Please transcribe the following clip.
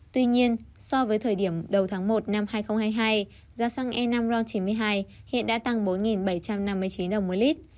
tuy nhiên so với thời điểm đầu tháng một năm hai nghìn hai mươi hai giá xăng e năm ron chín mươi hai hiện đã tăng bốn bảy trăm năm mươi chín đồng một lít